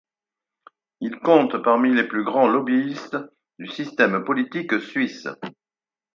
Il compte parmi les plus grands lobbyiste du système politique suisse.